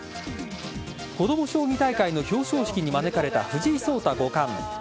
子ども将棋大会の表彰式に招かれた藤井聡太五冠。